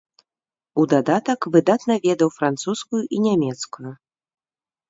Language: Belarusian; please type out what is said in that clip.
У дадатак выдатна ведаў французскую і нямецкую.